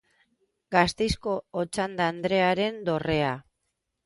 Gasteizko Otsanda andrearen dorrea.